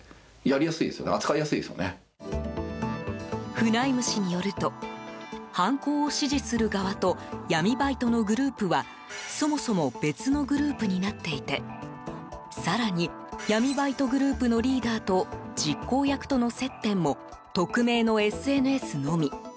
フナイム氏によると犯行を指示する側と闇バイトのグループはそもそも別のグループになっていて更に、闇バイトグループのリーダーと実行役との接点も匿名のＳＮＳのみ。